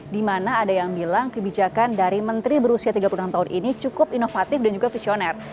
di mana ada yang bilang kebijakan dari menteri berusia tiga puluh enam tahun ini cukup inovatif dan juga visioner